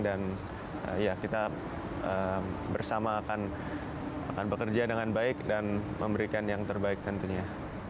dan ya kita bersama akan bekerja dengan baik dan memberikan yang terbaik tentunya